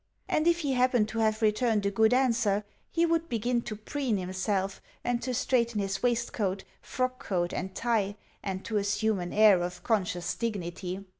And if he happened to have returned a good answer, he would begin to preen himself, and to straighten his waistcoat, frockcoat and tie, and to assume an air of conscious dignity.